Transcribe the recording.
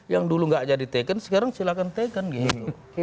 yang dulu tidak jadi taken sekarang silahkan taken gitu